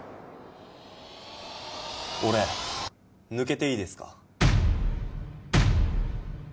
俺抜けていいですか？